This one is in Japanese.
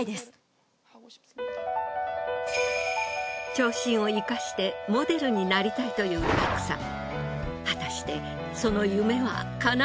長身を生かしてモデルになりたいというパクさん。